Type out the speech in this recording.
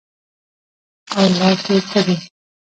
او لاک ئې کړي